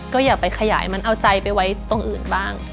ก็อย่าไปขยายมันเอาใจไปไว้ตรงอื่นบ้าง